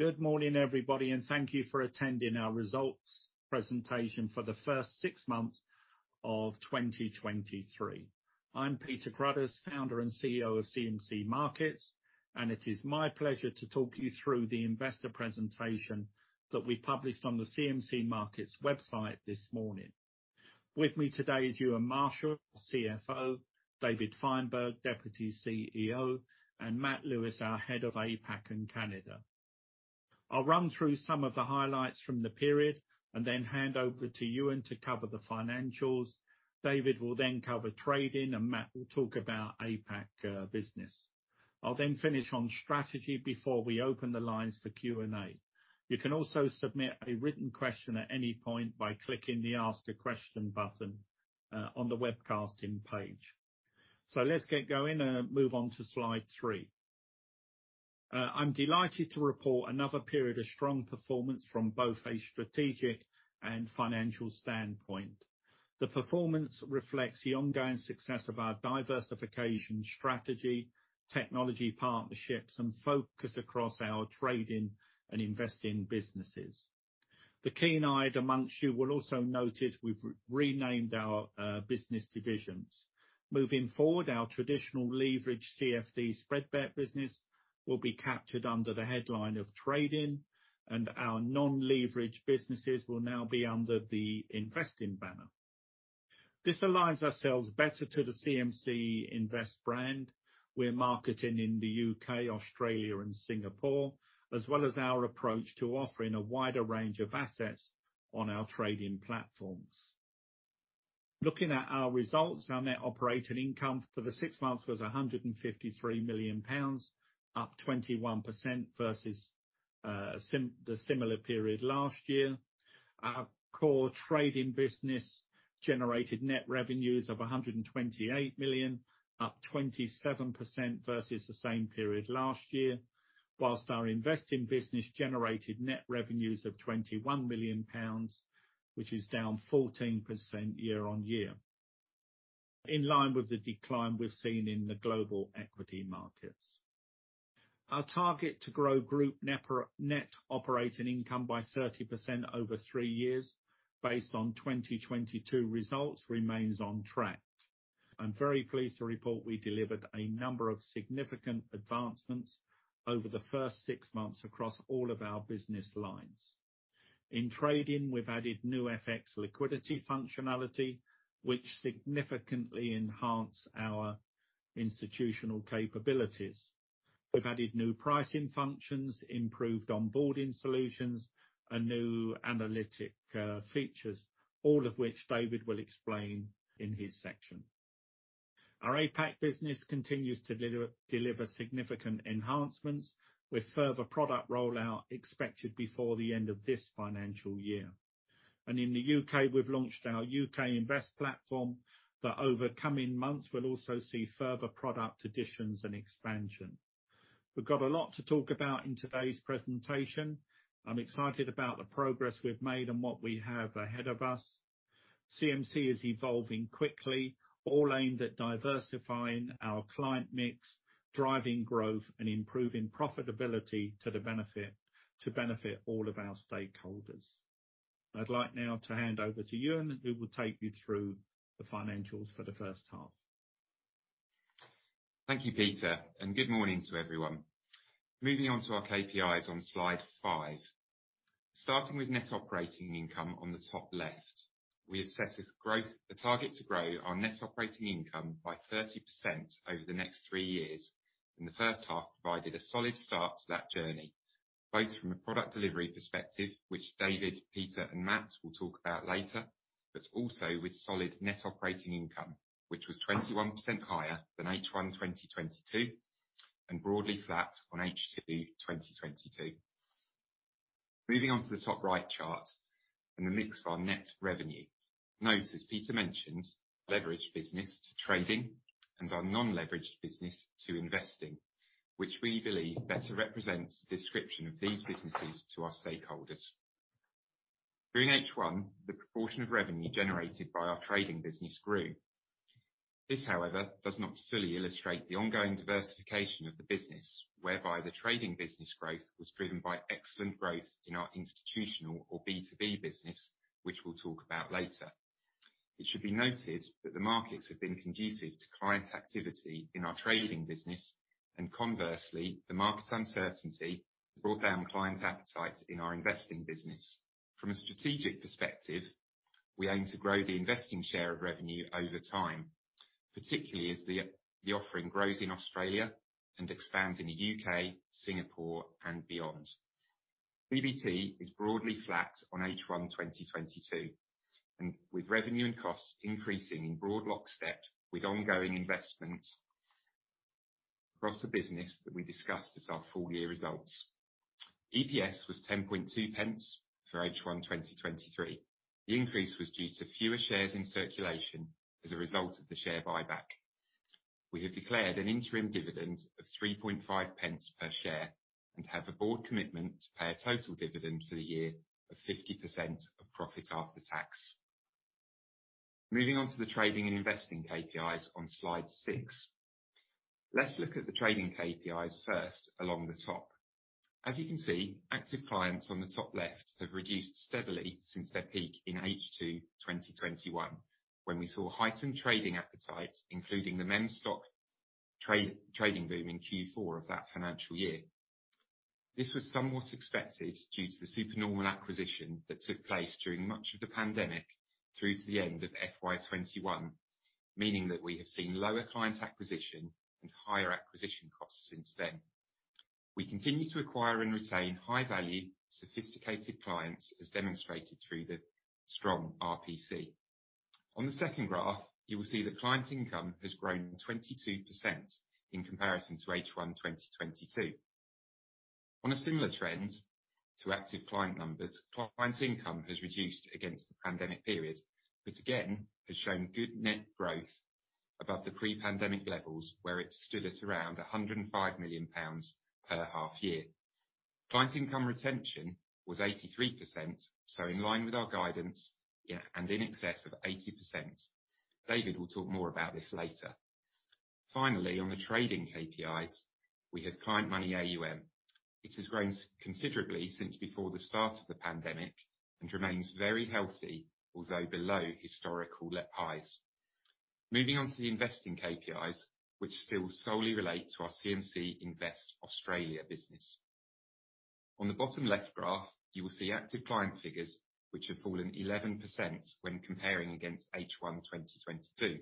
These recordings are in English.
Good morning, everybody, and thank you for attending our results presentation for the first six months of 2023. I'm Peter Cruddas, founder and CEO of CMC Markets, and it is my pleasure to talk you through the investor presentation that we published on the CMC Markets website this morning. With me today is Euan Marshall, CFO, David Fineberg, Deputy CEO, and Matt Lewis, our head of APAC and Canada. I'll run through some of the highlights from the period and then hand over to Euan to cover the financials. David will then cover trading, and Matt will talk about APAC business. I'll then finish on strategy before we open the lines for Q&A. You can also submit a written question at any point by clicking the Ask a Question button on the webcasting page. Let's get going and move on to slide three. I'm delighted to report another period of strong performance from both a strategic and financial standpoint. The performance reflects the ongoing success of our diversification strategy, technology partnerships, and focus across our trading and investing businesses. The keen-eyed among you will also notice we've re-renamed our business divisions. Moving forward, our traditional leveraged CFD spread bet business will be captured under the headline of trading, and our non-leveraged businesses will now be under the investing banner. This aligns ourselves better to the CMC Invest brand we're marketing in the U.K., Australia, and Singapore, as well as our approach to offering a wider range of assets on our trading platforms. Looking at our results, our net operating income for the six months was 153 million pounds, up 21% versus the similar period last year. Our core trading business generated net revenues of 128 million, up 27% versus the same period last year. While our investing business generated net revenues of 21 million pounds, which is down 14% year-on-year, in line with the decline we've seen in the global equity markets. Our target to grow group net operating income by 30% over three years based on 2022 results remains on track. I'm very pleased to report we delivered a number of significant advancements over the first six months across all of our business lines. In trading, we've added new FX liquidity functionality, which significantly enhance our institutional capabilities. We've added new pricing functions, improved onboarding solutions, and new analytic features, all of which David will explain in his section. Our APAC business continues to deliver significant enhancements with further product rollout expected before the end of this financial year. In the U.K., we've launched our U.K. Invest platform that over coming months will also see further product additions and expansion. We've got a lot to talk about in today's presentation. I'm excited about the progress we've made and what we have ahead of us. CMC is evolving quickly, all aimed at diversifying our client mix, driving growth and improving profitability to the benefit all of our stakeholders. I'd like now to hand over to Euan, who will take you through the financials for the first half. Thank you, Peter, and good morning to everyone. Moving on to our KPIs on slide five. Starting with net operating income on the top left, we have set as growth, a target to grow our net operating income by 30% over the next three years, and the first half provided a solid start to that journey. Both from a product delivery perspective, which David, Peter and Matt will talk about later, but also with solid net operating income, which was 21% higher than H1 2022, and broadly flat on H2 2022. Moving on to the top right chart and the mix of our net revenue. Notice Peter mentioned leveraged business to trading and our non-leveraged business to investing, which we believe better represents the description of these businesses to our stakeholders. During H1, the proportion of revenue generated by our trading business grew. This, however, does not fully illustrate the ongoing diversification of the business, whereby the trading business growth was driven by excellent growth in our institutional or B2B business, which we'll talk about later. It should be noted that the markets have been conducive to client activity in our trading business, and conversely, the market uncertainty brought down client appetite in our investing business. From a strategic perspective, we aim to grow the investing share of revenue over time, particularly as the offering grows in Australia and expands in the U.K., Singapore and beyond. PBT is broadly flat on H1 2022, with revenue and costs increasing in broad lockstep with ongoing investments across the business that we discussed as our full year results. EPS was 0.102 for H1 2023. The increase was due to fewer shares in circulation as a result of the share buyback. We have declared an interim dividend of 0.035 per share and have a board commitment to pay a total dividend for the year of 50% of profit after tax. Moving on to the trading and investing KPIs on slide six. Let's look at the trading KPIs first along the top. As you can see, active clients on the top left have reduced steadily since their peak in H2 2021, when we saw heightened trading appetite, including the meme stock trading boom in Q4 of that financial year. This was somewhat expected due to the supernormal acquisition that took place during much of the pandemic through to the end of FY 2021, meaning that we have seen lower client acquisition and higher acquisition costs since then. We continue to acquire and retain high-value, sophisticated clients, as demonstrated through the strong RPC. On the second graph, you will see that client income has grown 22% in comparison to H1 2022. On a similar trend to active client numbers, client income has reduced against the pandemic period, but again, has shown good net growth above the pre-pandemic levels, where it stood at around 105 million pounds per half year. Client income retention was 83%, so in line with our guidance, yeah, and in excess of 80%. David will talk more about this later. Finally, on the trading KPIs, we have client money AUM, which has grown considerably since before the start of the pandemic and remains very healthy, although below historical highs. Moving on to the investing KPIs, which still solely relate to our CMC Invest Australia business. On the bottom left graph, you will see active client figures, which have fallen 11% when comparing against H1 2022,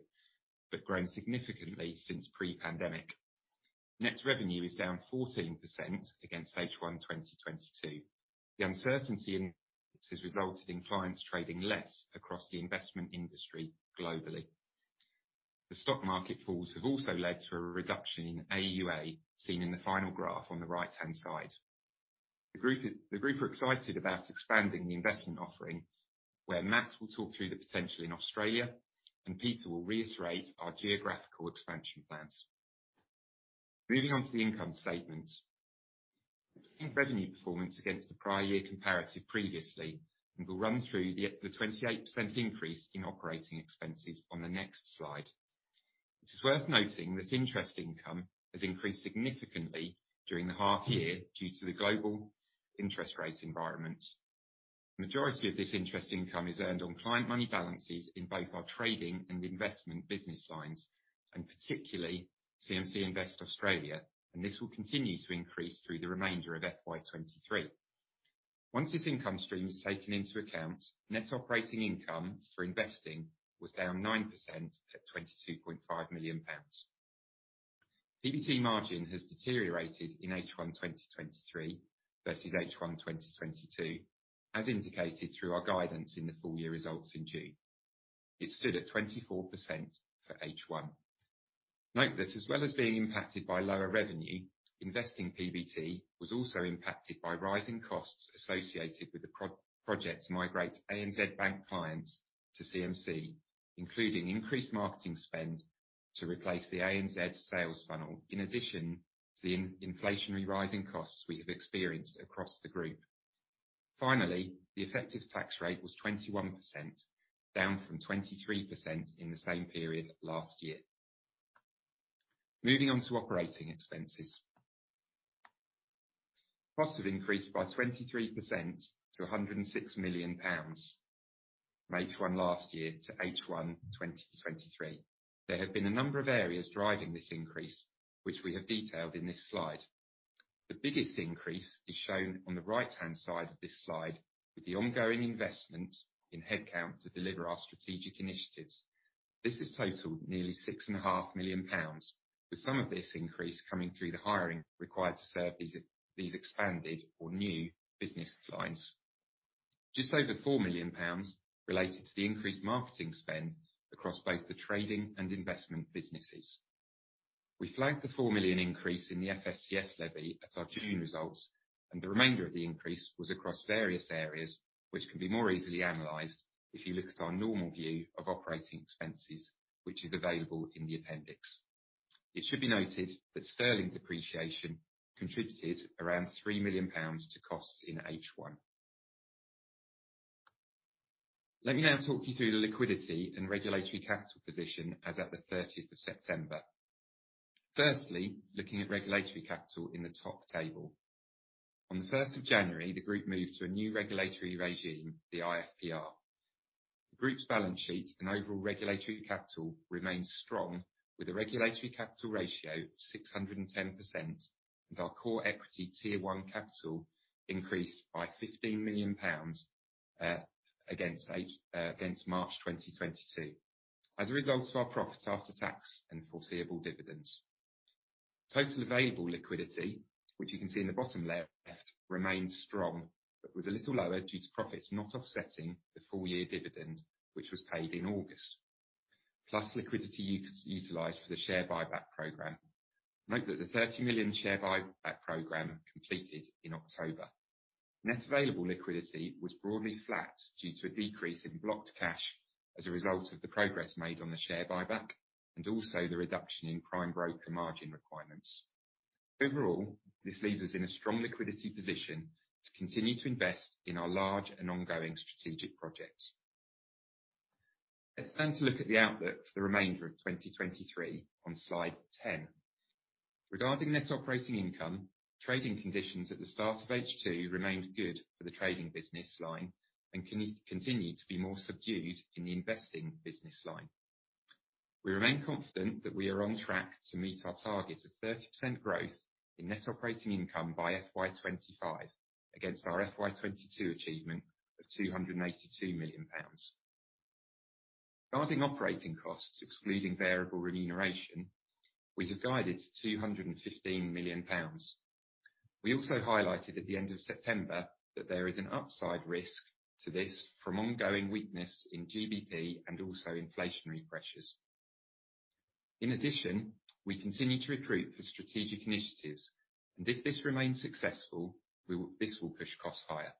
but grown significantly since pre-pandemic. Net revenue is down 14% against H1 2022. The uncertainty in FX has resulted in clients trading less across the investment industry globally. The stock market falls have also led to a reduction in AUA, seen in the final graph on the right-hand side. The group are excited about expanding the investment offering, where Matt will talk through the potential in Australia and Peter will reiterate our geographical expansion plans. Moving on to the income statement, revenue performance against the prior year comparative, previously, and we'll run through the 28% increase in operating expenses on the next slide. It is worth noting that interest income has increased significantly during the half year due to the global interest rate environment. The majority of this interest income is earned on client money balances in both our trading and investment business lines, and particularly CMC Invest Australia, and this will continue to increase through the remainder of FY 2023. Once this income stream is taken into account, net operating income for investing was down 9% at 22.5 million pounds. PBT margin has deteriorated in H1 2023 versus H1 2022, as indicated through our guidance in the full year results in June. It stood at 24% for H1. Note that as well as being impacted by lower revenue, investing PBT was also impacted by rising costs associated with the project to migrate ANZ Bank clients to CMC, including increased marketing spend to replace the ANZ sales funnel, in addition to the inflationary rising costs we have experienced across the group. Finally, the effective tax rate was 21%, down from 23% in the same period last year. Moving on to operating expenses. Costs have increased by 23% to 106 million pounds from H1 last year to H1 2023. There have been a number of areas driving this increase, which we have detailed in this slide. The biggest increase is shown on the right-hand side of this slide, with the ongoing investment in headcount to deliver our strategic initiatives. This has totaled nearly 6.5 million pounds, with some of this increase coming through the hiring required to serve these expanded or new business lines. Just over 4 million pounds related to the increased marketing spend across both the trading and investment businesses. We flagged the 4 million increase in the FSCS levy at our June results, and the remainder of the increase was across various areas, which can be more easily analyzed if you look at our normal view of operating expenses, which is available in the appendix. It should be noted that sterling depreciation contributed around 3 million pounds to costs in H1. Let me now talk you through the liquidity and regulatory capital position as at the 30th of September. Firstly, looking at regulatory capital in the top table. On the 1st of January, the group moved to a new regulatory regime, the IFPR. The group's balance sheet and overall regulatory capital remains strong, with a regulatory capital ratio of 610%, and our Common Equity Tier One capital increased by 15 million pounds against March 2022 as a result of our profit after tax and foreseeable dividends. Total available liquidity, which you can see in the bottom left, remains strong, but was a little lower due to profits not offsetting the full year dividend, which was paid in August, plus liquidity used for the share buyback program. Note that the 30 million share buyback program completed in October. Net available liquidity was broadly flat due to a decrease in blocked cash as a result of the progress made on the share buyback, and also the reduction in prime broker margin requirements. Overall, this leaves us in a strong liquidity position to continue to invest in our large and ongoing strategic projects. Let's then to look at the outlook for the remainder of 2023 on slide 10. Regarding net operating income, trading conditions at the start of H2 remained good for the trading business line and continue to be more subdued in the investing business line. We remain confident that we are on track to meet our target of 30% growth in net operating income by FY 2025 against our FY 2022 achievement of 282 million pounds. Regarding operating costs, excluding variable remuneration, we have guided 215 million pounds. We also highlighted at the end of September that there is an upside risk to this from ongoing weakness in GBP and also inflationary pressures. In addition, we continue to recruit for strategic initiatives, and if this remains successful, this will push costs higher.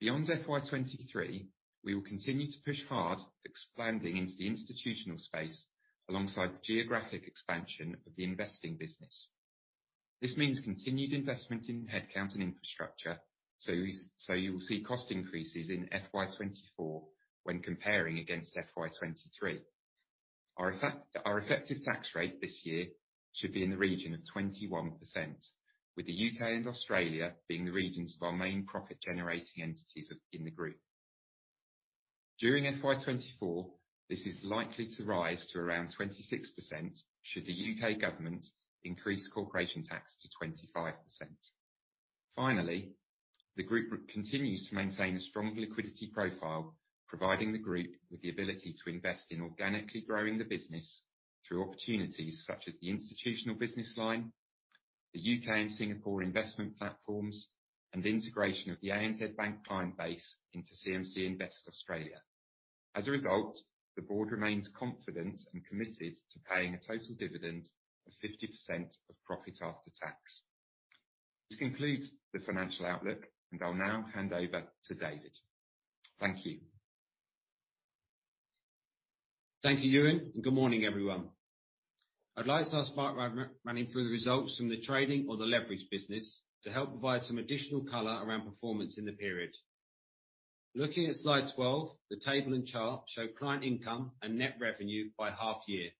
Beyond FY 2023, we will continue to push hard, expanding into the institutional space alongside the geographic expansion of the investing business. This means continued investment in headcount and infrastructure, so you will see cost increases in FY 2024 when comparing against FY 2023. Our effective tax rate this year should be in the region of 21%, with the U.K. and Australia being the regions of our main profit-generating entities in the group. During FY 2024, this is likely to rise to around 26% should the U.K. government increase corporation tax to 25%. Finally, the group continues to maintain a strong liquidity profile, providing the group with the ability to invest in organically growing the business through opportunities such as the institutional business line, the U.K. and Singapore investment platforms, and integration of the ANZ Bank client base into CMC Invest Australia. As a result, the board remains confident and committed to paying a total dividend of 50% of profit after tax. This concludes the financial outlook, and I'll now hand over to David. Thank you. Thank you, Euan, and good morning, everyone. I'd like to now start by running through the results from the trading or the leverage business to help provide some additional color around performance in the period. Looking at slide 12, the table and chart show client income and net revenue by half year.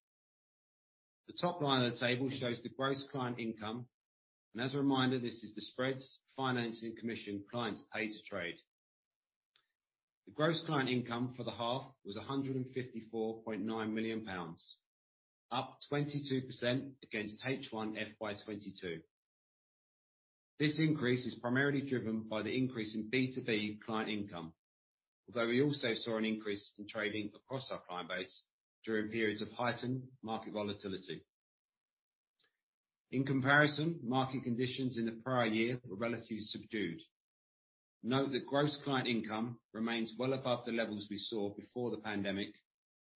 The top line of the table shows the gross client income, and as a reminder, this is the spreads, financing, commission clients pay to trade. The gross client income for the half was 154.9 million pounds, up 22% against H1 FY 2022. This increase is primarily driven by the increase in B2B client income. Although we also saw an increase in trading across our client base during periods of heightened market volatility. In comparison, market conditions in the prior year were relatively subdued. Note that gross client income remains well above the levels we saw before the pandemic,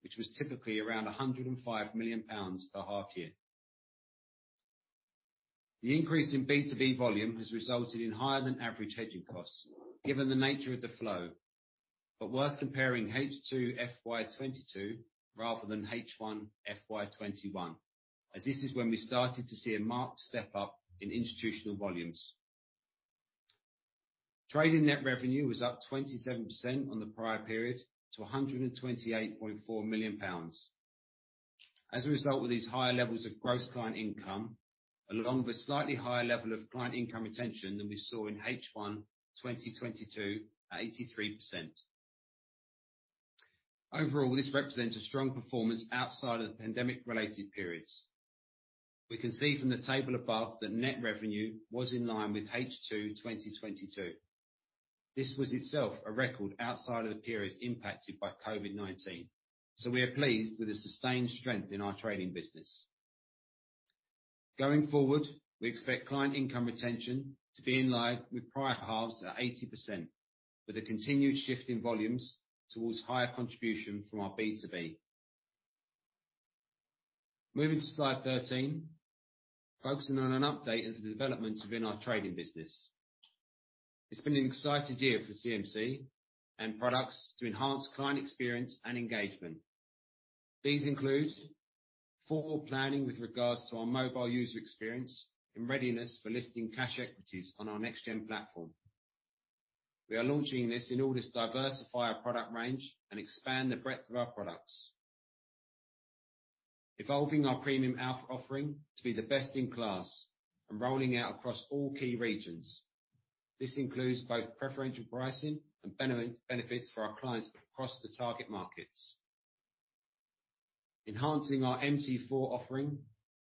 which was typically around 105 million pounds per half year. The increase in B2B volume has resulted in higher than average hedging costs, given the nature of the flow, but worth comparing H2 FY 2022 rather than H1 FY 2021, as this is when we started to see a marked step up in institutional volumes. Trading net revenue was up 27% on the prior period to 128.4 million pounds. As a result of these higher levels of gross client income, along with slightly higher level of client income retention than we saw in H1 2022 at 83%. Overall, this represents a strong performance outside of the pandemic-related periods. We can see from the table above that net revenue was in line with H2 2022. This was itself a record outside of the periods impacted by COVID-19, so we are pleased with the sustained strength in our trading business. Going forward, we expect client income retention to be in line with prior halves at 80%, with a continued shift in volumes towards higher contribution from our B2B. Moving to slide 13, focusing on an update on the developments within our trading business. It's been an exciting year for CMC and products to enhance client experience and engagement. These include full planning with regards to our mobile user experience and readiness for listing cash equities on our next gen platform. We are launching this in order to diversify our product range and expand the breadth of our products. Evolving our Premium Alpha offering to be the best in class and rolling out across all key regions. This includes both preferential pricing and benefits for our clients across the target markets. Enhancing our MT4 offering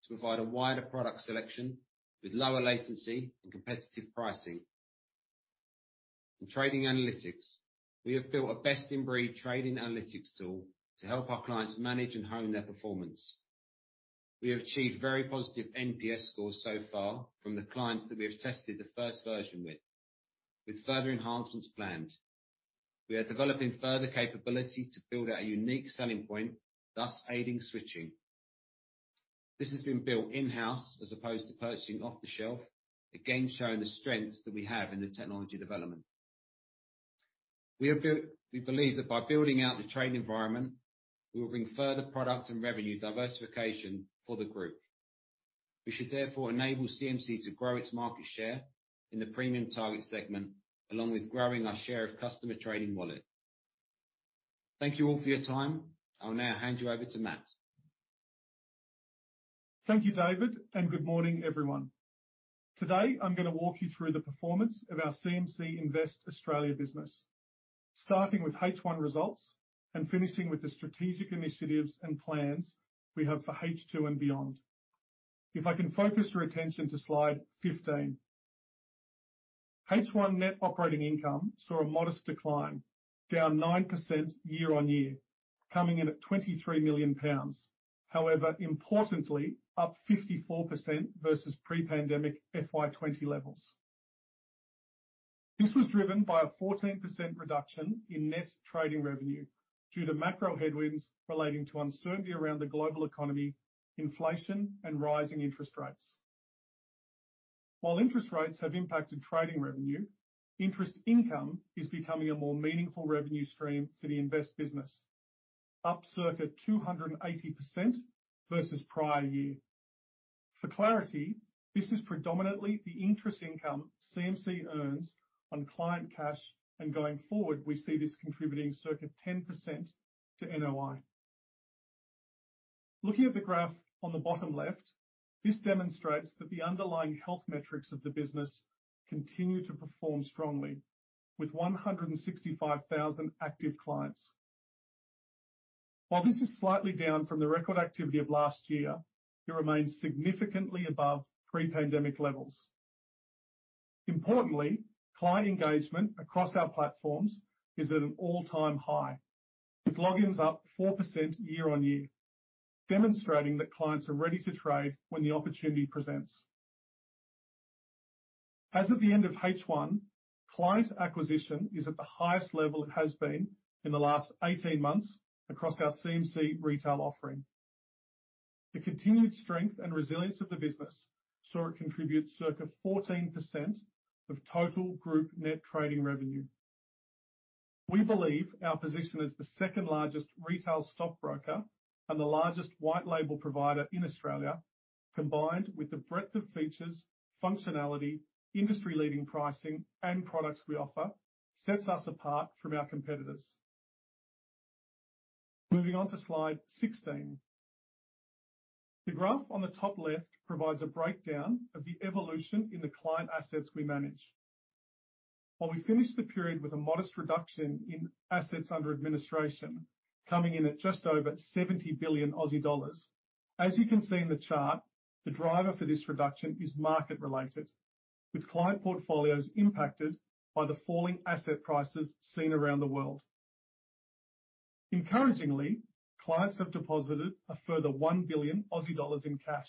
to provide a wider product selection with lower latency and competitive pricing. In trading analytics, we have built a best-in-breed trading analytics tool to help our clients manage and hone their performance. We have achieved very positive NPS scores so far from the clients that we have tested the first version with. With further enhancements planned. We are developing further capability to build out a unique selling point, thus aiding switching. This has been built in-house as opposed to purchasing off the shelf, again, showing the strengths that we have in the technology development. We believe that by building out the trading environment, we will bring further products and revenue diversification for the group. We should therefore enable CMC to grow its market share in the Premium target segment, along with growing our share of customer trading wallet. Thank you all for your time. I will now hand you over to Matt. Thank you, David, and good morning, everyone. Today, I'm gonna walk you through the performance of our CMC Invest Australia business, starting with H1 results and finishing with the strategic initiatives and plans we have for H2 and beyond. If I can focus your attention to slide 15. H1 net operating income saw a modest decline, down 9% year-over-year, coming in at 23 million pounds. However, importantly, up 54% versus pre-pandemic FY 2020 levels. This was driven by a 14% reduction in net trading revenue due to macro headwinds relating to uncertainty around the global economy, inflation, and rising interest rates. While interest rates have impacted trading revenue, interest income is becoming a more meaningful revenue stream for the Invest business, up circa 280% versus prior year. For clarity, this is predominantly the interest income CMC earns on client cash, and going forward, we see this contributing circa 10% to NOI. Looking at the graph on the bottom left, this demonstrates that the underlying health metrics of the business continue to perform strongly with 165,000 active clients. While this is slightly down from the record activity of last year, it remains significantly above pre-pandemic levels. Importantly, client engagement across our platforms is at an all-time high, with logins up 4% year-on-year, demonstrating that clients are ready to trade when the opportunity presents. As of the end of H1, client acquisition is at the highest level it has been in the last 18 months across our CMC retail offering. The continued strength and resilience of the business saw it contribute circa 14% of total group net trading revenue. We believe our position as the second largest retail stockbroker and the largest white label provider in Australia, combined with the breadth of features, functionality, industry-leading pricing, and products we offer, sets us apart from our competitors. Moving on to slide 16. The graph on the top left provides a breakdown of the evolution in the client assets we manage. While we finished the period with a modest reduction in assets under administration, coming in at just over 70 billion Aussie dollars. As you can see in the chart, the driver for this reduction is market-related, with client portfolios impacted by the falling asset prices seen around the world. Encouragingly, clients have deposited a further 1 billion Aussie dollars in cash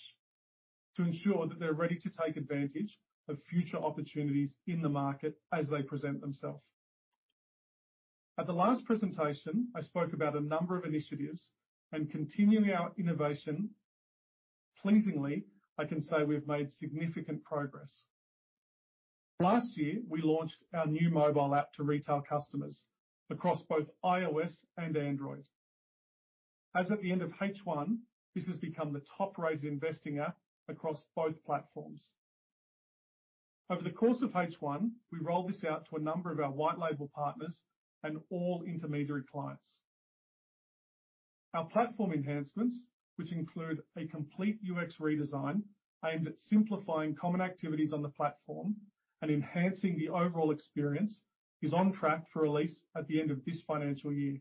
to ensure that they're ready to take advantage of future opportunities in the market as they present themselves. At the last presentation, I spoke about a number of initiatives and continuing our innovation. Pleasingly, I can say we've made significant progress. Last year, we launched our new mobile app to retail customers across both iOS and Android. As at the end of H1, this has become the top-rated investing app across both platforms. Over the course of H1, we rolled this out to a number of our white label partners and all intermediary clients. Our platform enhancements, which include a complete UX redesign aimed at simplifying common activities on the platform and enhancing the overall experience, is on track for release at the end of this financial year.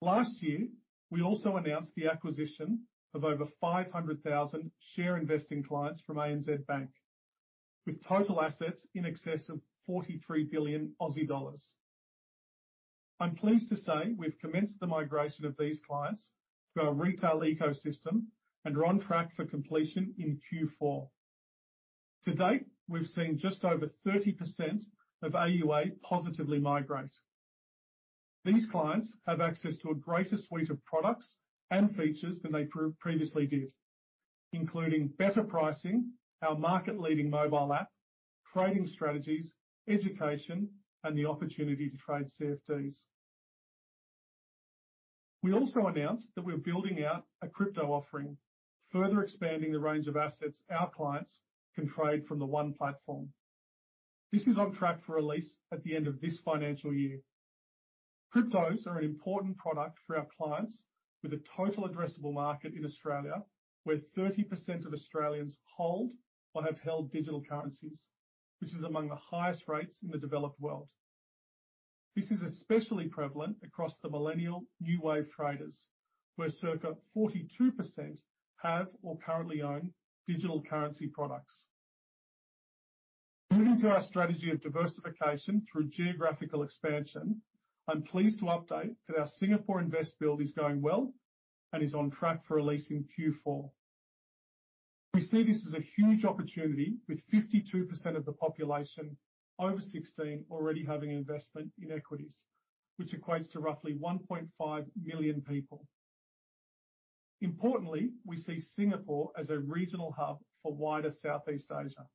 Last year, we also announced the acquisition of over 500,000 share investing clients from ANZ Bank, with total assets in excess of 43 billion Aussie dollars. I'm pleased to say we've commenced the migration of these clients to our retail ecosystem and are on track for completion in Q4. To date, we've seen just over 30% of AUA positively migrate. These clients have access to a greater suite of products and features than they previously did, including better pricing, our market-leading mobile app, trading strategies, education, and the opportunity to trade CFDs. We also announced that we're building out a crypto offering, further expanding the range of assets our clients can trade from the one platform. This is on track for release at the end of this financial year. Cryptos are an important product for our clients, with a total addressable market in Australia, where 30% of Australians hold or have held digital currencies, which is among the highest rates in the developed world. This is especially prevalent across the millennial new wave traders, where circa 42% have or currently own digital currency products. Moving to our strategy of diversification through geographical expansion, I'm pleased to update that our Singapore Invest build is going well and is on track for release in Q4. We see this as a huge opportunity, with 52% of the population over 16 already having investment in equities, which equates to roughly 1.5 million people. Importantly, we see Singapore as a regional hub for wider Southeast Asia.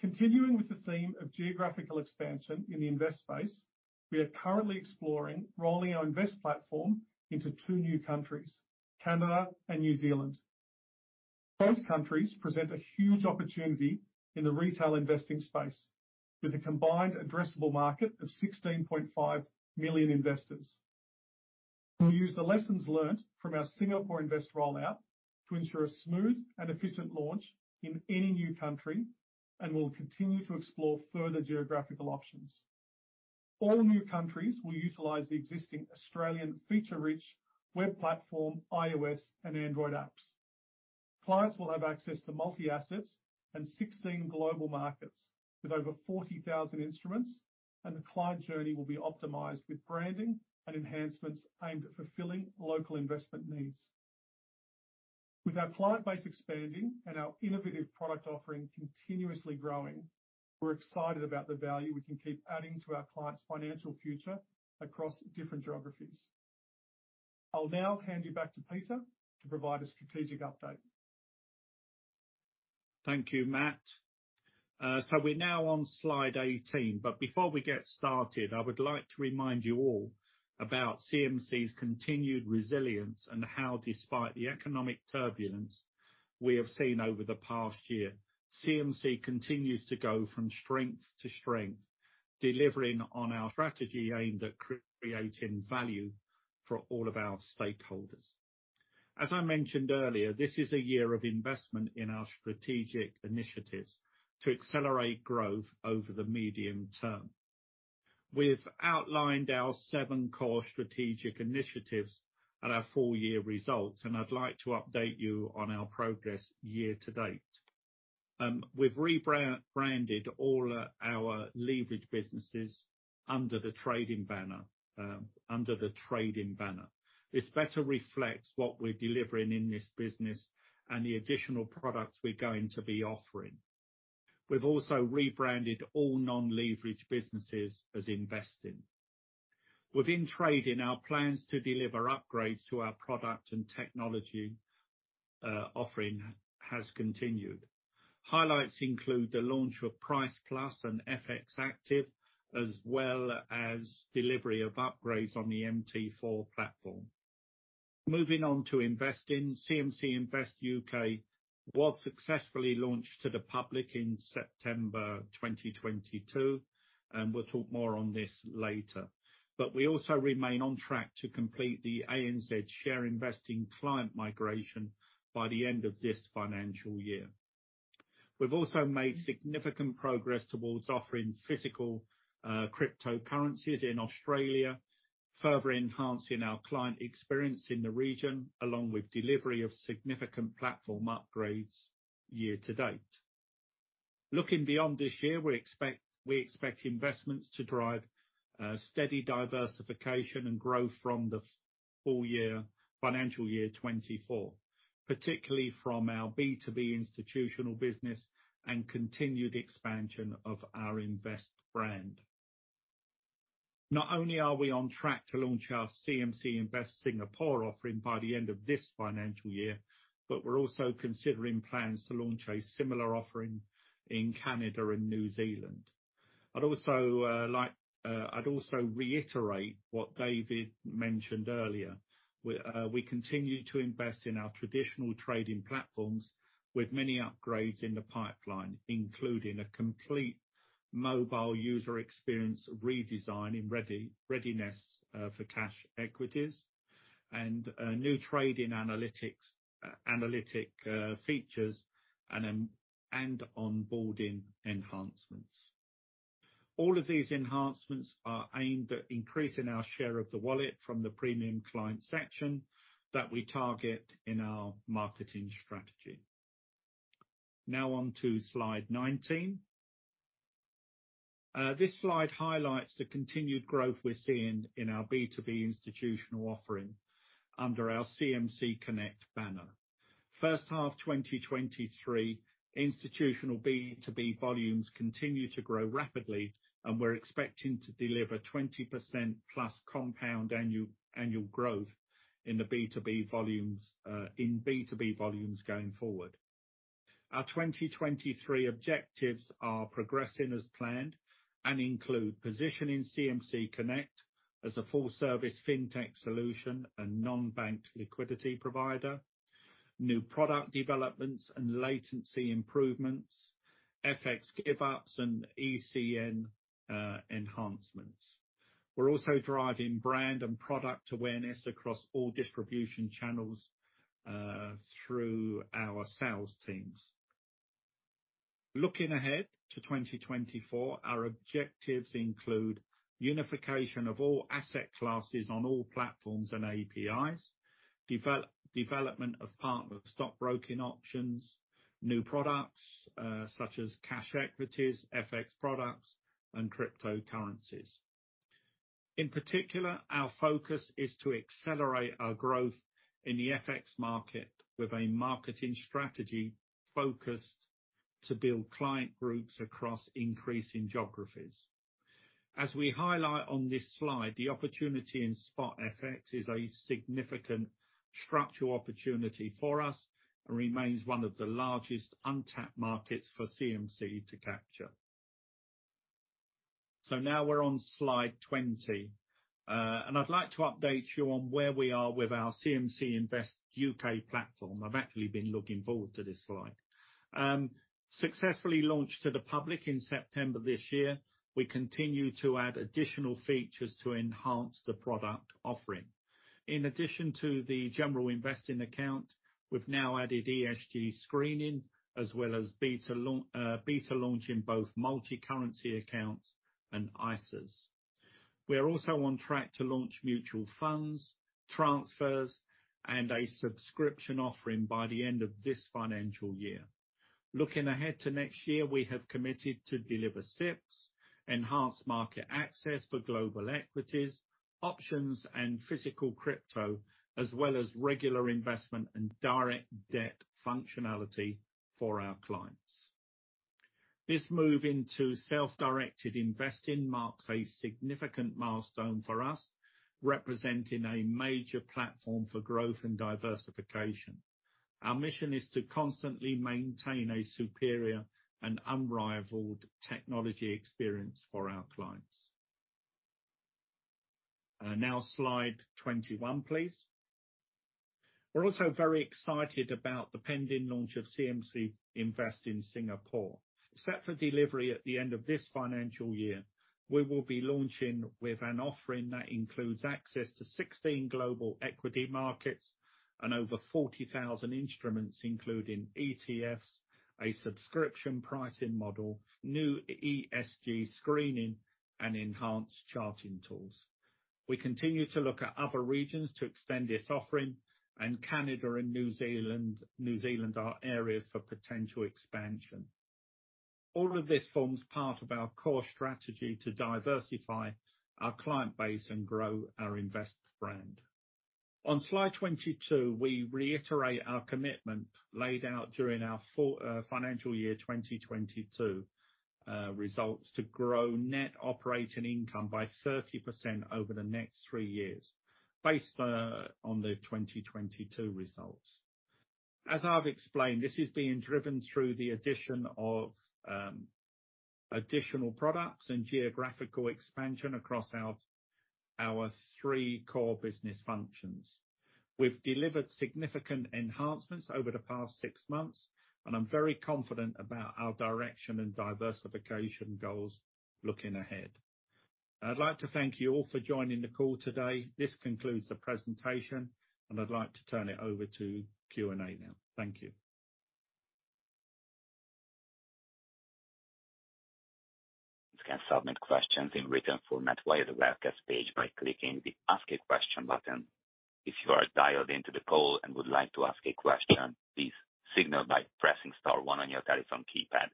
Continuing with the theme of geographical expansion in the Invest space, we are currently exploring rolling our Invest platform into two new countries, Canada and New Zealand. Both countries present a huge opportunity in the retail investing space with a combined addressable market of 16.5 million investors. We use the lessons learned from our Singapore Invest rollout to ensure a smooth and efficient launch in any new country, and we'll continue to explore further geographical options. All new countries will utilize the existing Australian feature-rich web platform, iOS and Android apps. Clients will have access to multi-assets and 16 global markets with over 40,000 instruments, and the client journey will be optimized with branding and enhancements aimed at fulfilling local investment needs. With our client base expanding and our innovative product offering continuously growing, we're excited about the value we can keep adding to our clients' financial future across different geographies. I'll now hand you back to Peter to provide a strategic update. Thank you, Matt. So we're now on slide 18, but before we get started, I would like to remind you all about CMC's continued resilience and how, despite the economic turbulence we have seen over the past year, CMC continues to go from strength to strength, delivering on our strategy aimed at creating value for all of our stakeholders. As I mentioned earlier, this is a year of investment in our strategic initiatives to accelerate growth over the medium term. We've outlined our seven core strategic initiatives and our full year results, and I'd like to update you on our progress year to date. We've rebranded all our leveraged businesses under the trading banner. This better reflects what we're delivering in this business and the additional products we're going to be offering. We've also rebranded all non-leveraged businesses as Investing. Within Trading, our plans to deliver upgrades to our product and technology offering has continued. Highlights include the launch of Price Plus and FX Active, as well as delivery of upgrades on the MT4 platform. Moving on to Investing. CMC Invest U.K. was successfully launched to the public in September 2022, and we'll talk more on this later. We also remain on track to complete the ANZ share investing client migration by the end of this financial year. We've also made significant progress towards offering physical cryptocurrencies in Australia, further enhancing our client experience in the region, along with delivery of significant platform upgrades year to date. Looking beyond this year, we expect investments to drive steady diversification and growth from the financial year 2024, particularly from our B2B institutional business and continued expansion of our Invest brand. Not only are we on track to launch our CMC Invest Singapore offering by the end of this financial year, but we're also considering plans to launch a similar offering in Canada and New Zealand. I'd also reiterate what David mentioned earlier. We continue to invest in our traditional trading platforms with many upgrades in the pipeline, including a complete mobile user experience redesign in readiness for cash equities and new trading analytics features and onboarding enhancements. All of these enhancements are aimed at increasing our share of the wallet from the Premium client section that we target in our marketing strategy. Now on to slide 19. This slide highlights the continued growth we're seeing in our B2B institutional offering under our CMC Connect banner. First half 2023 institutional B2B volumes continue to grow rapidly, and we're expecting to deliver 20%+ compound annual growth in B2B volumes going forward. Our 2023 objectives are progressing as planned and include positioning CMC Connect as a full-service fintech solution and non-bank liquidity provider, new product developments and latency improvements, FX give-ups and ECN enhancements. We're also driving brand and product awareness across all distribution channels through our sales teams. Looking ahead to 2024, our objectives include unification of all asset classes on all platforms and APIs, development of partner stock broking options, new products such as cash equities, FX products, and cryptocurrencies. In particular, our focus is to accelerate our growth in the FX market with a marketing strategy focused to build client groups across increasing geographies. As we highlight on this slide, the opportunity in spot FX is a significant structural opportunity for us, and remains one of the largest untapped markets for CMC to capture. Now we're on slide 20. I'd like to update you on where we are with our CMC Invest U.K. platform. I've actually been looking forward to this slide. Successfully launched to the public in September this year, we continue to add additional features to enhance the product offering. In addition to the general investing account, we've now added ESG screening as well as beta launch in both multi-currency accounts and ISAs. We're also on track to launch mutual funds, transfers, and a subscription offering by the end of this financial year. Looking ahead to next year, we have committed to deliver SIPPs, enhanced market access for global equities, options, and physical crypto, as well as regular investment and direct debit functionality for our clients. This move into self-directed investing marks a significant milestone for us, representing a major platform for growth and diversification. Our mission is to constantly maintain a superior and unrivaled technology experience for our clients. Now slide 21, please. We're also very excited about the pending launch of CMC Invest in Singapore. Set for delivery at the end of this financial year, we will be launching with an offering that includes access to 16 global equity markets and over 40,000 instruments, including ETFs, a subscription pricing model, new ESG screening, and enhanced charting tools. We continue to look at other regions to extend this offering, and Canada and New Zealand are areas for potential expansion. All of this forms part of our core strategy to diversify our client base and grow our Invest brand. On slide 22, we reiterate our commitment laid out during our full financial year 2022 results to grow net operating income by 30% over the next three years, based on the 2022 results. As I've explained, this is being driven through the addition of additional products and geographical expansion across our three core business functions. We've delivered significant enhancements over the past six months, and I'm very confident about our direction and diversification goals looking ahead. I'd like to thank you all for joining the call today. This concludes the presentation, and I'd like to turn it over to Q&A now. Thank you. You can submit questions in written format via the webcast page by clicking the Ask a Question button. If you are dialed into the call and would like to ask a question, please signal by pressing star one on your telephone keypad.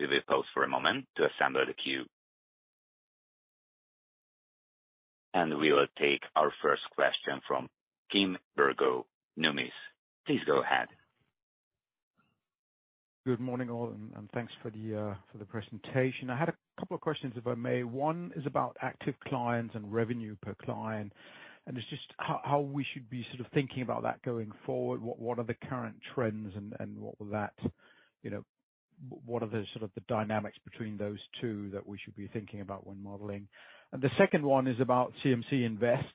We will pause for a moment to assemble the queue. We will take our first question from Kim Bergoe, Numis. Please go ahead. Good morning, all, and thanks for the presentation. I had a couple of questions, if I may. One is about active clients and revenue per client, and it's just how we should be sort of thinking about that going forward. What are the current trends and what will that, you know. What are the sort of dynamics between those two that we should be thinking about when modeling? The second one is about CMC Invest.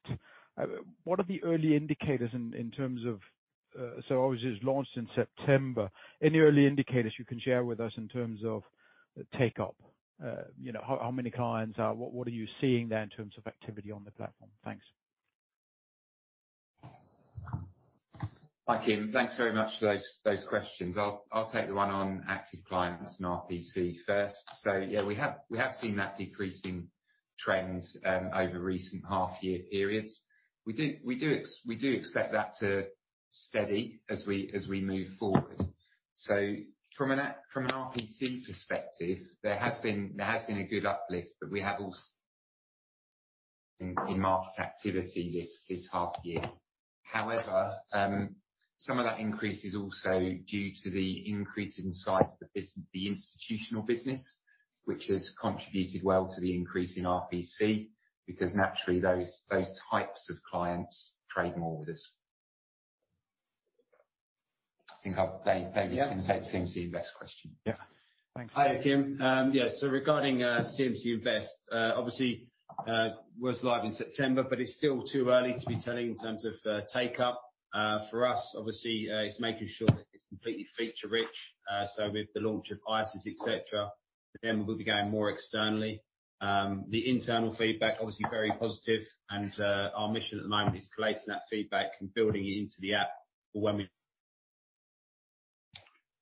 What are the early indicators in terms of. Obviously, it was launched in September. Any early indicators you can share with us in terms of take-up? You know, how many clients? What are you seeing there in terms of activity on the platform? Thanks. Hi, Kim. Thanks very much for those questions. I'll take the one on active clients and RPC first. Yeah, we have seen that decreasing trend over recent half year periods. We do expect that to steady as we move forward. From an RPC perspective, there has been a good uplift in market activity this half year. However, some of that increase is also due to the increase in size of the institutional business, which has contributed well to the increase in RPC, because naturally those types of clients trade more with us. David, maybe you can take the CMC Invest question. Yeah. Thanks. Hi, Kim. Yeah, regarding CMC Invest, obviously was live in September, but it's still too early to be telling in terms of take-up. For us, obviously, it's making sure that it's completely feature rich. With the launch of ISAs, et cetera, then we'll be going more externally. The internal feedback, obviously, very positive. Our mission at the moment is collating that feedback and building it into the app for when we-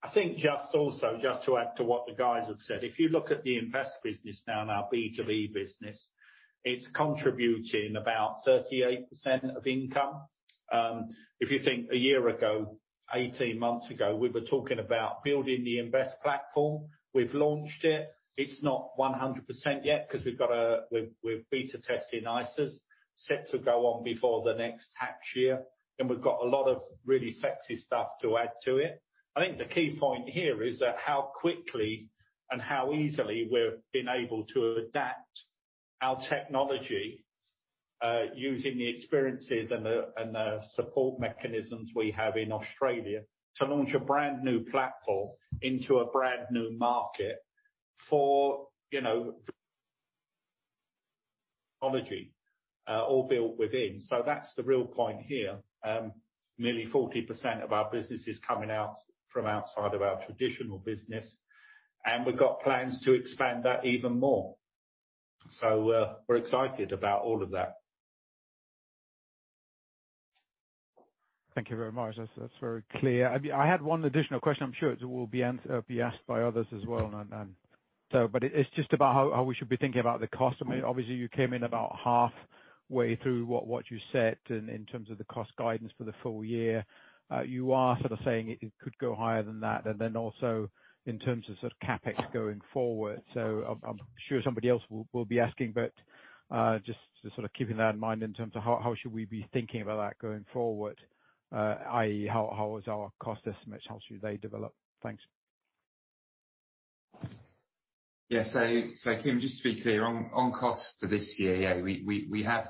I think just also, just to add to what the guys have said, if you look at the Invest business now in our B2B business, it's contributing about 38% of income. If you think a year ago, 18 months ago, we were talking about building the Invest platform. We've launched it. It's not 100% yet 'cause we're beta testing ISAs, set to go on before the next tax year. Then we've got a lot of really sexy stuff to add to it. I think the key point here is that how quickly and how easily we've been able to adapt our technology, using the experiences and the support mechanisms we have in Australia to launch a brand new platform into a brand new market, you know, all built within. That's the real point here. Nearly 40% of our business is coming out from outside of our traditional business, and we've got plans to expand that even more. We're excited about all of that. Thank you very much. That's very clear. I mean, I had one additional question. I'm sure it will be asked by others as well, but it's just about how we should be thinking about the cost. I mean, obviously, you came in about halfway through what you set in terms of the cost guidance for the full year. You are sort of saying it could go higher than that. Also in terms of sort of CapEx going forward. I'm sure somebody else will be asking, but just sort of keeping that in mind in terms of how should we be thinking about that going forward, i.e., how is our cost estimate, how should they develop? Thanks. Yes. Kim, just to be clear, on costs for this year, yeah, we have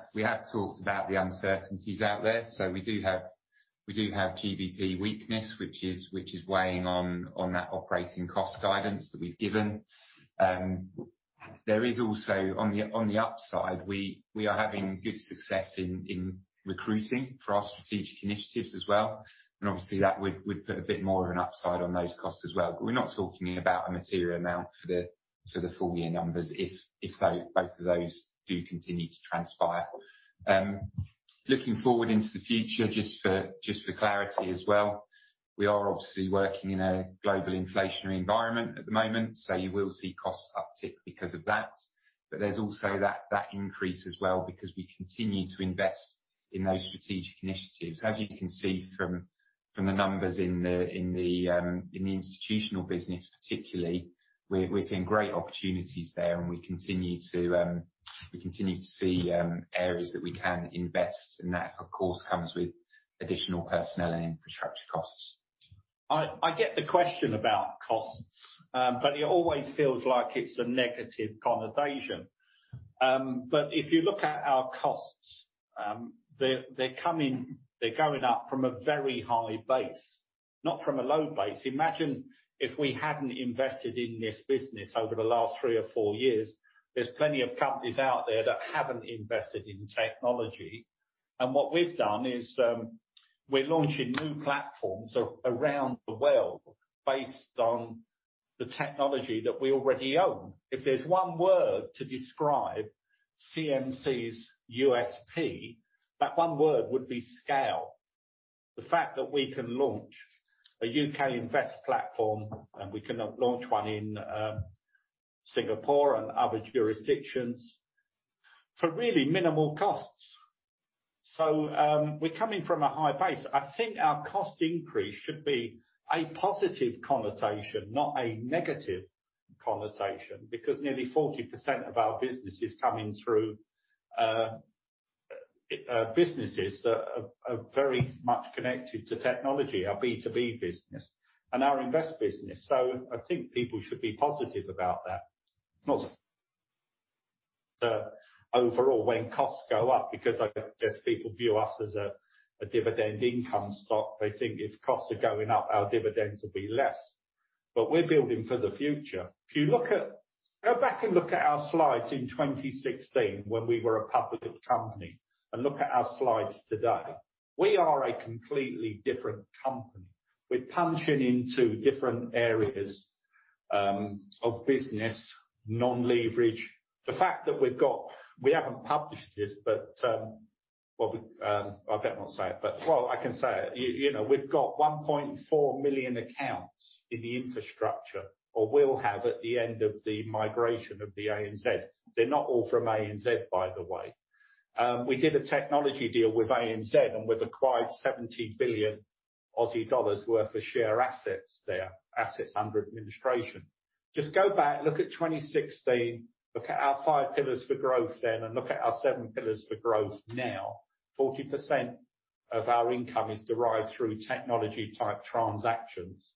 talked about the uncertainties out there. We do have GBP weakness, which is weighing on that operating cost guidance that we've given. There is also, on the upside, we are having good success in recruiting for our strategic initiatives as well. Obviously that would put a bit more of an upside on those costs as well. We're not talking about a material amount for the full year numbers if they both do continue to transpire. Looking forward into the future just for clarity as well, we are obviously working in a global inflationary environment at the moment, so you will see cost uptick because of that. There's also that increase as well because we continue to invest in those strategic initiatives. As you can see from the numbers in the institutional business particularly, we're seeing great opportunities there and we continue to see areas that we can invest. That, of course, comes with additional personnel and infrastructure costs. I get the question about costs, but it always feels like it's a negative connotation. If you look at our costs, they're going up from a very high base, not from a low base. Imagine if we hadn't invested in this business over the last three or four years. There's plenty of companies out there that haven't invested in technology. What we've done is, we're launching new platforms around the world based on the technology that we already own. If there's one word to describe CMC's USP, that one word would be scale. The fact that we can launch a U.K. invest platform, and we can launch one in Singapore and other jurisdictions for really minimal costs. We're coming from a high base. I think our cost increase should be a positive connotation, not a negative connotation, because nearly 40% of our business is coming through businesses that are very much connected to technology, our B2B business and our Invest business. I think people should be positive about that, not the overall when costs go up because I guess people view us as a dividend income stock. They think if costs are going up, our dividends will be less. We're building for the future. If you look at. Go back and look at our slides in 2016 when we were a public company, and look at our slides today. We are a completely different company. We're punching into different areas of business, non-leverage. The fact that we've got. We haven't published this, but I better not say it, but. Well, I can say it. You know, we've got 1.4 million accounts in the infrastructure or will have at the end of the migration of the ANZ. They're not all from ANZ, by the way. We did a technology deal with ANZ, and we've acquired 70 billion Aussie dollars worth of share assets there, assets under administration. Just go back, look at 2016, look at our five pillars for growth then, and look at our seven pillars for growth now. 40% of our income is derived through technology type transactions.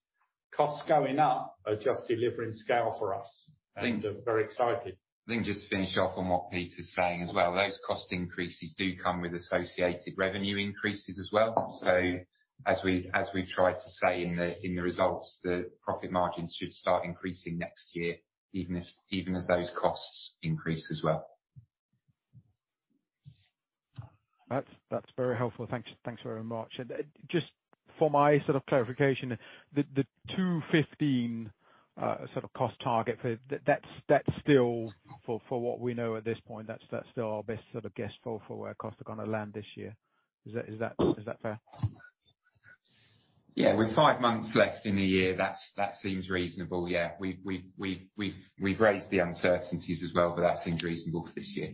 Costs going up are just delivering scale for us. I think. I'm very excited. I think just to finish off on what Peter's saying as well, those cost increases do come with associated revenue increases as well. As we tried to say in the results, the profit margins should start increasing next year, even if, even as those costs increase as well. That's very helpful. Thank you. Thanks very much. Just for my sort of clarification, the 215 million sort of cost target for... That's still for what we know at this point, that's still our best sort of guess for where costs are gonna land this year. Is that fair? Yeah. With five months left in the year, that seems reasonable. Yeah. We've raised the uncertainties as well, but that seems reasonable for this year.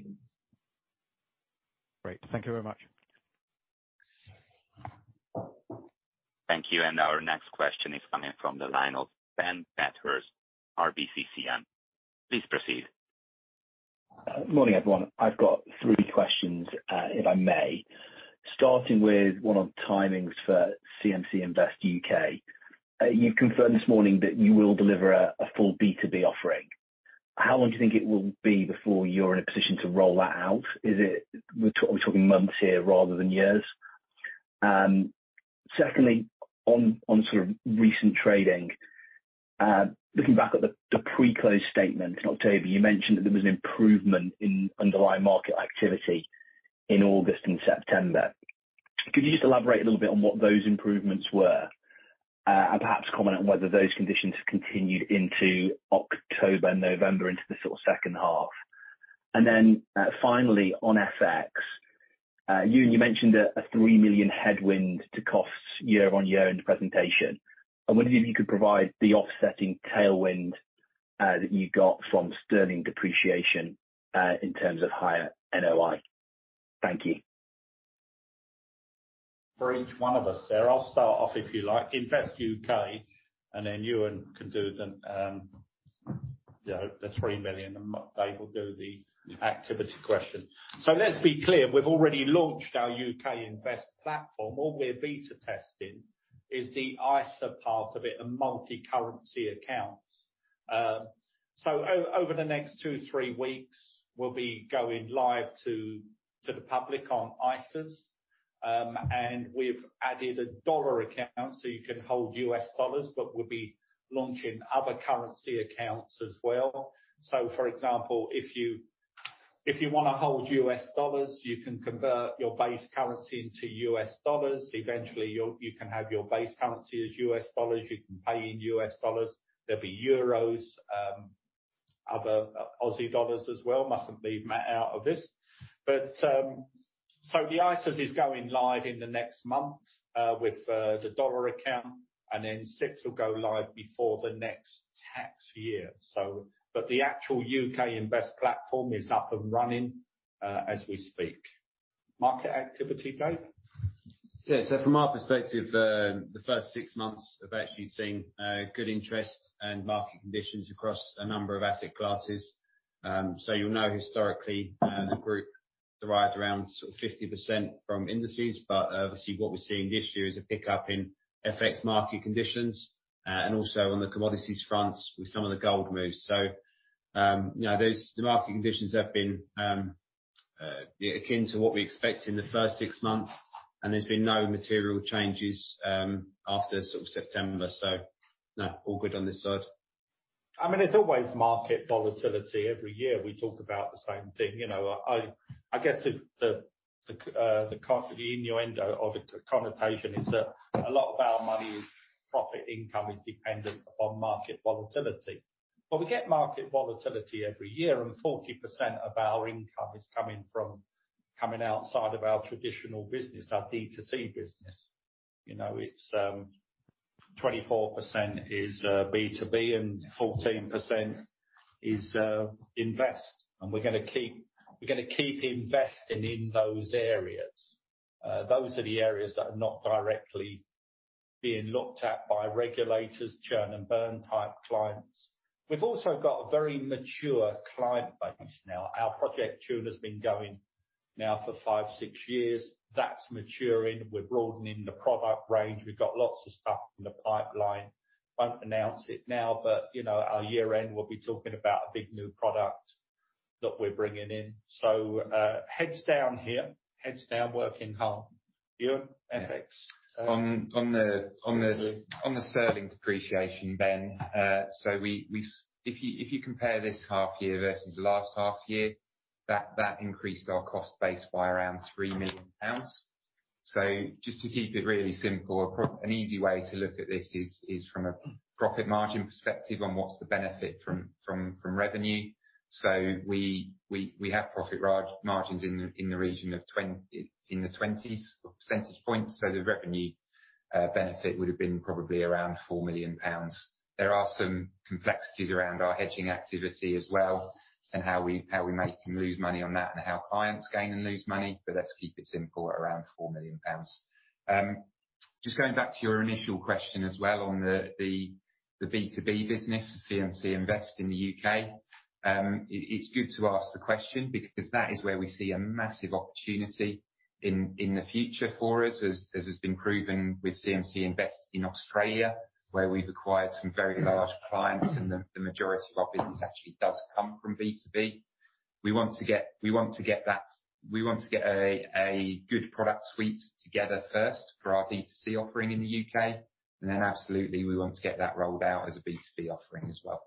Great. Thank you very much. Thank you. Our next question is coming from the line of Ben Bathurst, RBCCM. Please proceed. Morning, everyone. I've got three questions, if I may. Starting with one on timings for CMC Invest U.K. You've confirmed this morning that you will deliver a full B2B offering. How long do you think it will be before you're in a position to roll that out? Is it months here rather than years? Secondly, on sort of recent trading, looking back at the pre-close statement in October, you mentioned that there was an improvement in underlying market activity in August and September. Could you just elaborate a little bit on what those improvements were, and perhaps comment on whether those conditions have continued into October, November, into the sort of second half? Finally, on FX, you mentioned a 3 million headwind to costs year on year in the presentation. I wondered if you could provide the offsetting tailwind, that you got from sterling depreciation, in terms of higher NOI. Thank you. For each one of us. Sure, I'll start off, if you like. CMC Invest U.K., and then Euan can do the, you know, 3 million, and Dave will do the activity question. Let's be clear, we've already launched our U.K. Invest platform. All we're beta testing is the ISAs part of it and multi-currency accounts. Over the next two, three weeks, we'll be going live to the public on ISAs. We've added a dollar account, so you can hold U.S. dollars, but we'll be launching other currency accounts as well. For example, if you wanna hold U.S. dollars, you can convert your base currency into U.S. dollars. Eventually, you can have your base currency as U.S. dollars. You can pay in U.S. dollars. There'll be euros, other Aussie dollars as well. Mustn't leave Matt out of this. The ISAs is going live in the next month with the dollar account, and then SIPPs will go live before the next tax year. The actual U.K. Invest platform is up and running as we speak. Market activity, Dave? Yeah. From our perspective, the first six months, we've actually seen good interest and market conditions across a number of asset classes. You'll know historically, the group derives around sort of 50% from indices. Obviously, what we're seeing this year is a pickup in FX market conditions, and also on the commodities front with some of the gold moves. You know, the market conditions have been akin to what we expect in the first six months, and there's been no material changes after sort of September. No, all good on this side. I mean, it's always market volatility. Every year we talk about the same thing. You know, I guess the innuendo of it, the connotation is that a lot of our money's profit income is dependent upon market volatility. We get market volatility every year, and 40% of our income is coming from outside of our traditional business, our D2C business. You know, it's 24% is B2B, and 14% is Invest. We're gonna keep investing in those areas. Those are the areas that are not directly being looked at by regulators, churn and burn type clients. We've also got a very mature client base now. Our Project Tuna's been going now for five or six years. That's maturing. We're broadening the product range. We've got lots of stuff in the pipeline. Won't announce it now, but you know, at year-end, we'll be talking about a big new product that we're bringing in. Heads down here. Heads down working hard. Euan, FX. On the sterling depreciation then, if you compare this half year versus the last half year, that increased our cost base by around 3 million pounds. Just to keep it really simple, an easy way to look at this is from a profit margin perspective on what's the benefit from revenue. We have profit margins in the region of the 20s percentage points. The revenue benefit would've been probably around 4 million pounds. There are some complexities around our hedging activity as well and how we make and lose money on that and how clients gain and lose money, but let's keep it simple at around 4 million pounds. Just going back to your initial question as well on the B2B business, CMC Invest in the U.K. It's good to ask the question because that is where we see a massive opportunity in the future for us, as has been proven with CMC Invest in Australia, where we've acquired some very large clients and the majority of our business actually does come from B2B. We want to get a good product suite together first for our D2C offering in the U.K., and then absolutely, we want to get that rolled out as a B2B offering as well.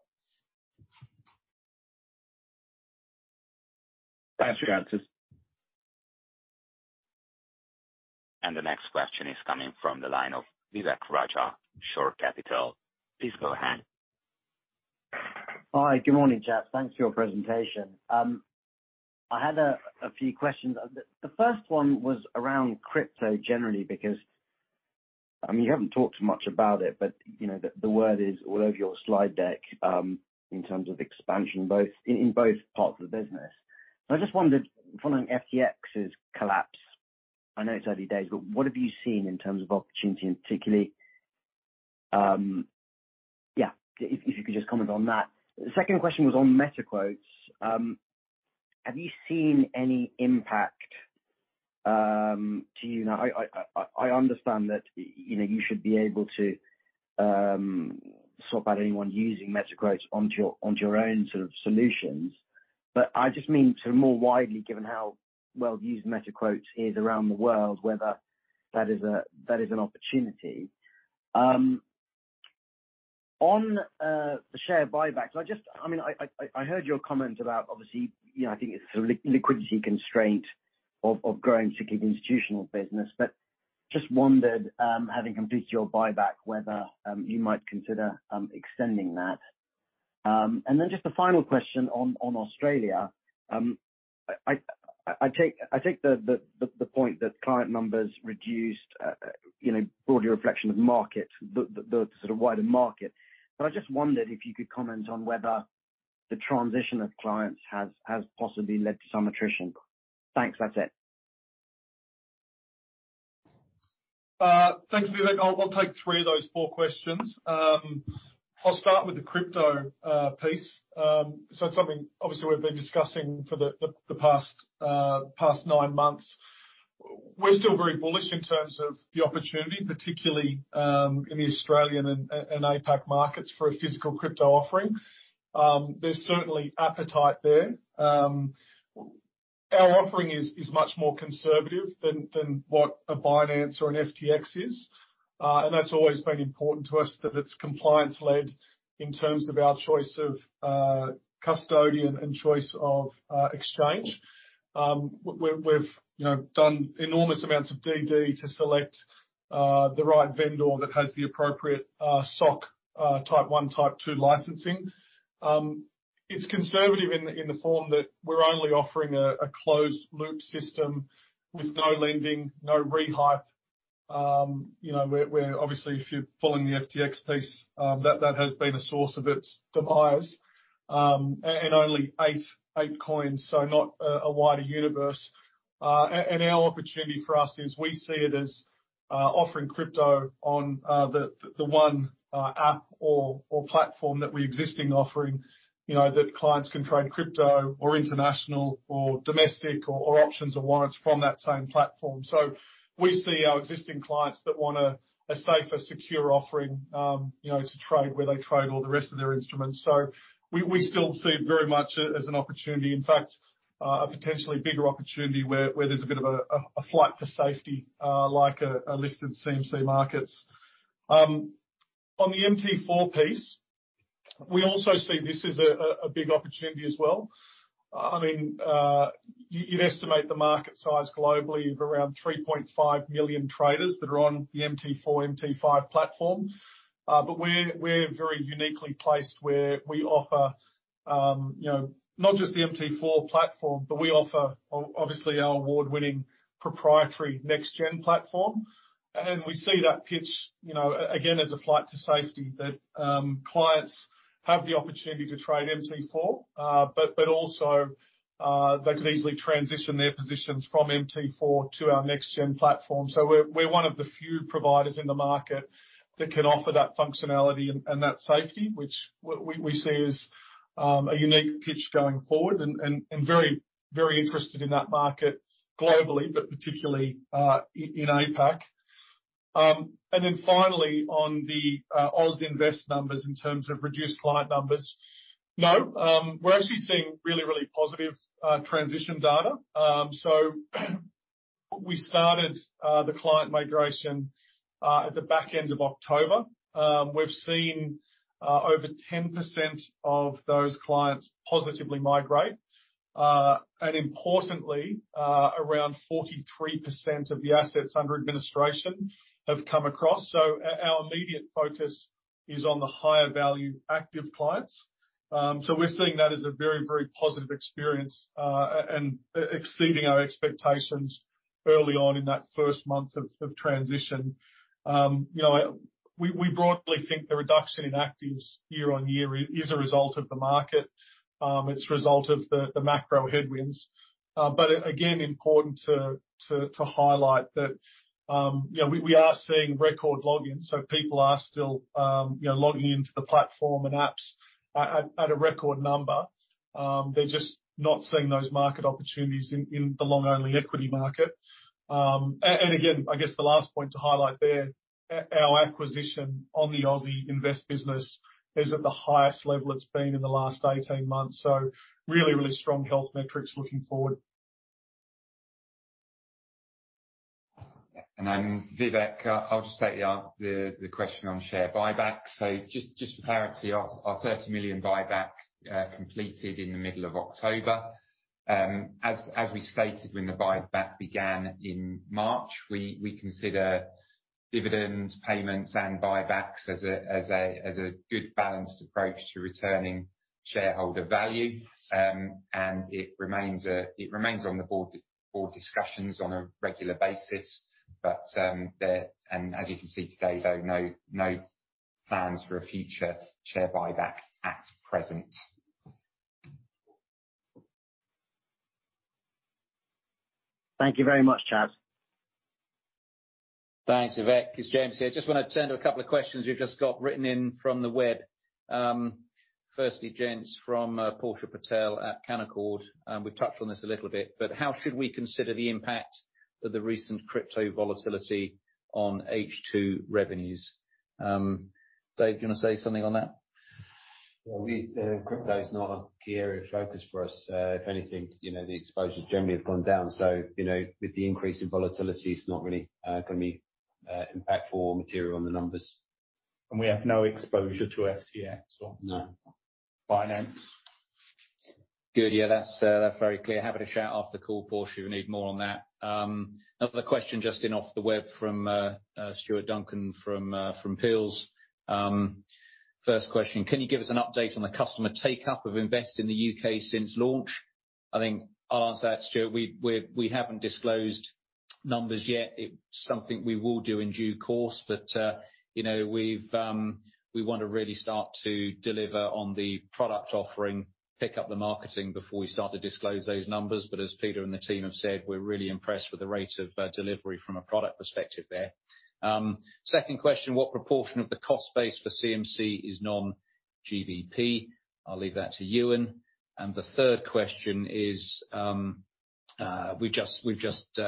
Thanks for your answers. The next question is coming from the line of Vivek Raja, Shore Capital. Please go ahead. Hi. Good morning, gents. Thanks for your presentation. I had a few questions. The first one was around crypto generally, because, I mean, you haven't talked much about it, but you know the word is all over your slide deck, in terms of expansion in both parts of the business. I just wondered following FTX's collapse, I know it's early days, but what have you seen in terms of opportunity and particularly. Yeah, if you could just comment on that. The second question was on MetaQuotes. Have you seen any impact to you? Now, I understand that, you know, you should be able to swap out anyone using MetaQuotes onto your own sort of solutions. But I just mean sort of more widely, given how well used MetaQuotes is around the world, whether that is an opportunity. On the share buybacks, I mean, I heard your comment about, obviously, you know, I think it's a liquidity constraint of growing significant institutional business, but just wondered, having completed your buyback, whether you might consider extending that. Then just a final question on Australia. I take the point that client numbers reduced, you know, broader reflection of market, the sort of wider market. I just wondered if you could comment on whether the transition of clients has possibly led to some attrition. Thanks. That's it. Thanks, Vivek. I'll take three of those four questions. I'll start with the crypto piece. It's something obviously we've been discussing for the past nine months. We're still very bullish in terms of the opportunity, particularly in the Australian and APAC markets for a physical crypto offering. There's certainly appetite there. Our offering is much more conservative than what a Binance or an FTX is. That's always been important to us, that it's compliance-led in terms of our choice of custodian and choice of exchange. We've, you know, done enormous amounts of DD to select the right vendor that has the appropriate SOC type one, type two licensing. It's conservative in the form that we're only offering a closed loop system with no lending, no rehypothecation. You know, we're obviously, if you're following the FTX piece, that has been a source of its demise. And only eight coins, so not a wider universe. And our opportunity for us is we see it as offering crypto on the one app or platform that our existing offering, you know, that clients can trade crypto or international or domestic or options or warrants from that same platform. We see our existing clients that want a safer, secure offering, you know, to trade where they trade all the rest of their instruments. We still see it very much as an opportunity, in fact, a potentially bigger opportunity where there's a bit of a flight to safety, like a listed CMC Markets. On the MT4 piece, we also see this as a big opportunity as well. I mean, you'd estimate the market size globally of around 3.5 million traders that are on the MT4, MT5 platform. But we're very uniquely placed where we offer, you know, not just the MT4 platform, but we offer obviously our award-winning proprietary next gen platform. We see that pitch, you know, again, as a flight to safety, that clients have the opportunity to trade MT4, but also they can easily transition their positions from MT4 to our next gen platform. We're one of the few providers in the market that can offer that functionality and that safety, which we see as a unique pitch going forward and very interested in that market globally, but particularly in APAC. Finally, on the Aussie Invest numbers in terms of reduced client numbers. No, we're actually seeing really positive transition data. We started the client migration at the back end of October. We've seen over 10% of those clients positively migrate. Importantly, around 43% of the assets under administration have come across. Our immediate focus is on the higher value active clients. We're seeing that as a very, very positive experience and exceeding our expectations early on in that first month of transition. You know, we broadly think the reduction in actives year-on-year is a result of the market. It's a result of the macro headwinds. Again, important to highlight that, you know, we are seeing record logins, so people are still you know, logging into the platform and apps at a record number. They're just not seeing those market opportunities in the long-only equity market. And again, I guess the last point to highlight there, our acquisition on the Aussie Invest business is at the highest level it's been in the last 18 months. Really, really strong health metrics looking forward. Vivek, I'll just take the question on share buyback. Just for clarity, our 30 million buyback completed in the middle of October. As we stated when the buyback began in March, we consider dividends, payments, and buybacks as a good balanced approach to returning shareholder value. It remains on the board discussions on a regular basis. As you can see today, though, no plans for a future share buyback at present. Thank you very much, chaps. Thanks, Vivek. It's James here. Just wanna turn to a couple of questions we've just got written in from the web. Firstly, gents, from Portia Patel at Canaccord Genuity. We've touched on this a little bit, but how should we consider the impact of the recent crypto volatility on H2 revenues? Dave, do you wanna say something on that? Well, crypto is not a key area of focus for us. If anything, you know, the exposures generally have gone down, so, you know, with the increase in volatility, it's not really gonna be impactful or material on the numbers. We have no exposure to FTX. No Binance. Good. Yeah, that's very clear. Happy to chat after the call, Portia, if you need more on that. Another question just in off the web from Stuart Duncan from Peel's. First question: "Can you give us an update on the customer take-up of Invest in the U.K. since launch?" I think our answer to that, Stuart, we haven't disclosed numbers yet. It's something we will do in due course, but you know, we wanna really start to deliver on the product offering, pick up the marketing before we start to disclose those numbers. But as Peter and the team have said, we're really impressed with the rate of delivery from a product perspective there. Second question: "What proportion of the cost base for CMC is non-GBP?" I'll leave that to Euan. The third question is, we've just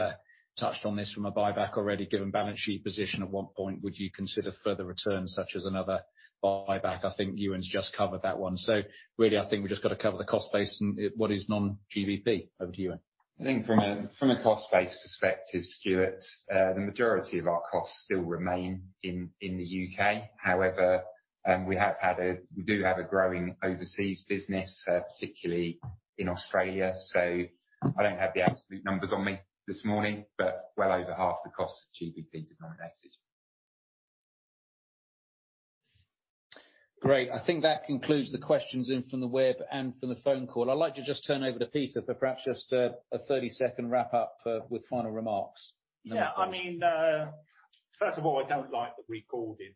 touched on this from a buyback already. "Given balance sheet position, at what point would you consider further returns such as another buyback?" I think Euan's just covered that one. Really, I think we just gotta cover the cost base and what is non-GBP. Over to you, Euan. I think from a cost base perspective, Stuart, the majority of our costs still remain in the UK. However, we do have a growing overseas business, particularly in Australia. I don't have the absolute numbers on me this morning, but well over half the costs are GBP denominated. Great. I think that concludes the questions in from the web and from the phone call. I'd like to just turn over to Peter for perhaps just a 30-second wrap up, with final remarks. Yeah. I mean, first of all, I don't like the recorded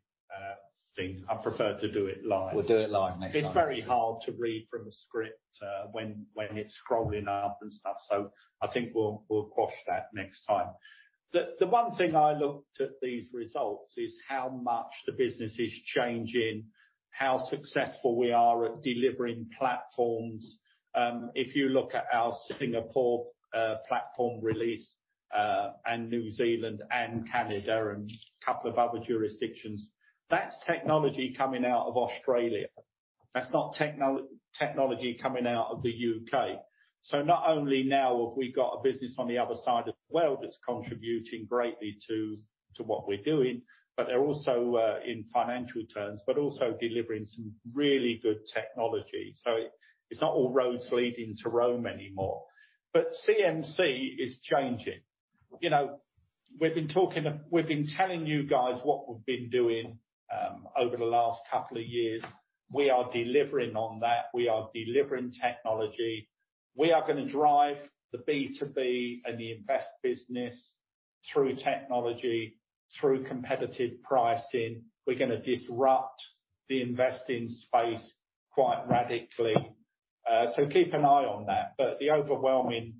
thing. I prefer to do it live. We'll do it live next time. It's very hard to read from a script, when it's scrolling up and stuff, so I think we'll quash that next time. The one thing I looked at these results is how much the business is changing, how successful we are at delivering platforms. If you look at our Singapore platform release, and New Zealand and Canada and a couple of other jurisdictions, that's technology coming out of Australia. That's not technology coming out of the U.K. It's not all roads leading to Rome anymore. CMC is changing. You know, we've been telling you guys what we've been doing over the last couple of years. We are delivering on that. We are delivering technology. We are gonna drive the B2B and the Invest business through technology, through competitive pricing. We're gonna disrupt the investing space quite radically. Keep an eye on that. The overwhelming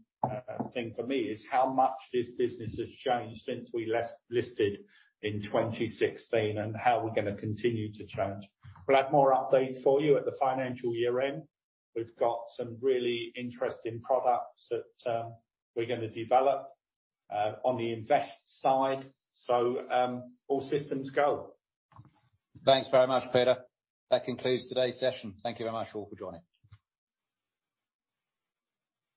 thing for me is how much this business has changed since we listed in 2016 and how we're gonna continue to change. We'll have more updates for you at the financial year end. We've got some really interesting products that we're gonna develop on the Invest side. All systems go. Thanks very much, Peter. That concludes today's session. Thank you very much, all, for joining.